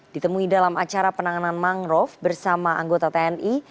ditemui dalam acara penanganan mangrove bersama anggota tni